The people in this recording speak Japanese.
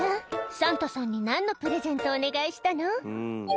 サンタさんに何のプレゼントお願いしたの？